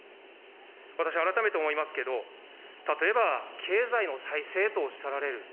私、改めて思いますけれども、例えば経済の再生とおっしゃられる。